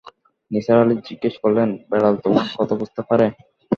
নিসার আলি জিজ্ঞেস করলেন, বেড়াল তোমার কথা বুঝতে পারে?